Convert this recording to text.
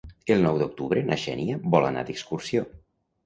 El nou d'octubre na Xènia vol anar d'excursió.